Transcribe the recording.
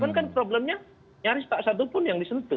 namun kan problemnya nyaris tak satupun yang disentuh